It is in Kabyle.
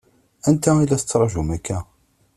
Anta i la tettṛaǧum akka?